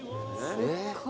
すっごい。